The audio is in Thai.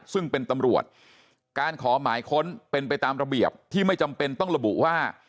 ซึ่งเป็นตำรวจการขอหมายค้นเป็นไปตามระเบียบที่ไม่จำเป็นต้องระบุว่า